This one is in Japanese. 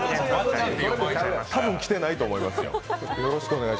多分着てないと思いますよ。